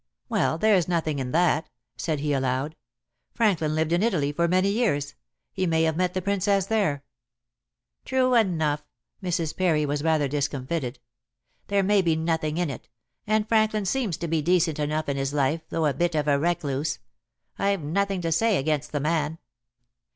"Well, there's nothing in that," said he aloud. "Franklin lived in Italy for many years. He may have met the Princess there." "True enough." Mrs. Parry was rather discomfited. "There may be nothing in it, and Franklin seems to be decent enough in his life, though a bit of a recluse. I've nothing to say against the man."